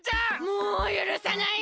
もうゆるさない！